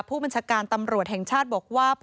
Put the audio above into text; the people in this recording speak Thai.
ผู้บัญชาการตำรวจแห่งชาติบอกว่า